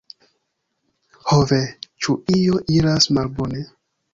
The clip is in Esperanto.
ho ve, ĉu io iras malbone?